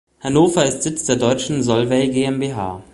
Hannover ist Sitz der deutschen Solvay GmbH.